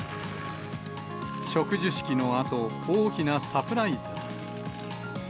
植樹式のあと、大きなサプライズが。